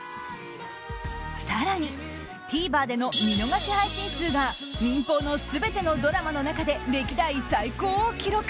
更にＴＶｅｒでの見逃し配信数が民放の全てのドラマの中で歴代最高を記録。